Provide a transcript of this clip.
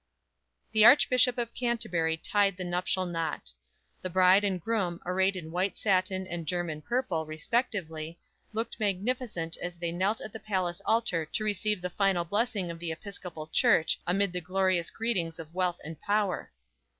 The Archbishop of Canterbury tied the nuptial knot. The bride and groom, arrayed in white satin and German purple, respectively, looked magnificent as they knelt at the palace altar to receive the final blessing of the Episcopal Church amid the glorious greetings of wealth and power.